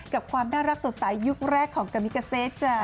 กับความน่ารักสดใสยุคแรกของกามิกาเซจ้ะ